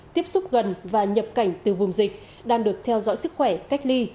tiếp xúc gần và nhập cảnh từ vùng dịch đang được theo dõi sức khỏe cách ly